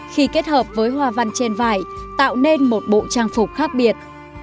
khi kết hợp với hoa văn trên vải tạo nên một bộ trang phục khác biệt